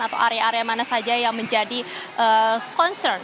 atau area area mana saja yang menjadi concern